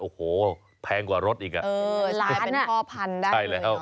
โอ้โหแพงกว่ารสอีกอ่ะล้านน่ะเป็นพ่อพันธุ์ได้เลยเนอะ